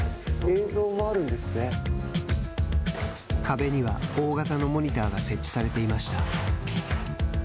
壁には、大型のモニターが設置されていました。